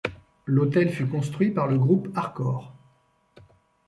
L’hôtel fut construit par Le Groupe Arcorp.